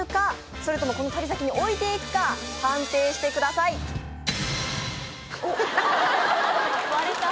それともこの旅先に置いていくか判定してくださいおっ・割れた！